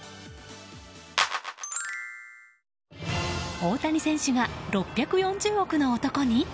大谷選手が６４０億の男に？